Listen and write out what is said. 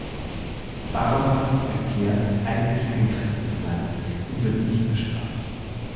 Barabbas erklärt, eigentlich kein Christ zu sein, und wird nicht bestraft.